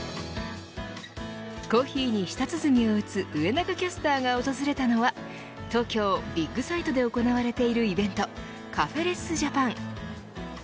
コーヒーに舌鼓を打つ上中キャスターが訪れたのは東京ビッグサイトで行われているイベントカフェレスジャパン。